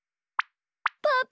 パパ。